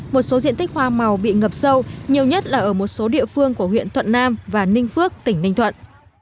một số diện tích hoa màu bị ngập sâu nhiều nhất là ở một số địa phương của huyện thuận nam và ninh phước tỉnh ninh thuận